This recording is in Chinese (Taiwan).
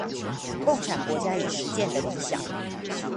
共產國家已實踐的理想